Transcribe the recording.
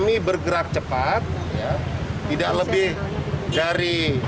iya apalagi di sini